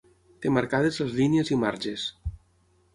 Té marcades les línies i marges.